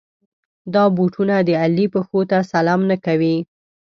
دا بوټونه د علي پښو ته سلام نه کوي.